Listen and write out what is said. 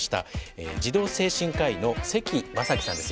児童精神科医の関正樹さんです。